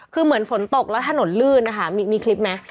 แล้วถนนลื่นนะคะมีคลิปไหม